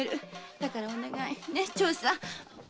だからお願いね長さん。